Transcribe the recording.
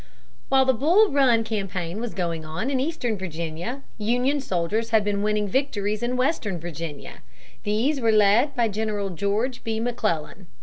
While the Bull Run campaign was going on in eastern Virginia, Union soldiers had been winning victories in western Virginia. These were led by General George B. McClellan.